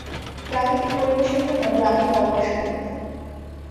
প্রাকৃতিক পরিবেশের জন্য গ্রামটি বড়ো সুন্দর।